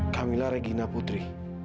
kamila regina putri